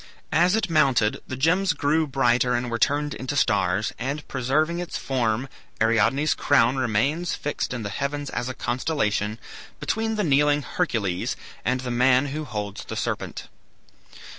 As it mounted the gems grew brighter and were turned into stars, and preserving its form Ariadne's crown remains fixed in the heavens as a constellation, between the kneeling Hercules and the man who holds the serpent.